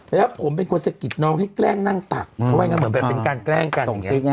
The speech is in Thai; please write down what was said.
แล้วผมเป็นคนเสกิดน้องให้แกล้งนั่งตักเพราะว่าเป็นการแกล้งกัน